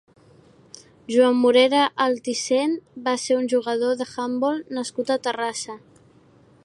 Joan Morera Altisent va ser un jugador d'handbol nascut a Terrassa.